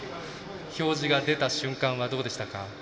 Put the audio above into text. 表示が出た瞬間はどうでしたか。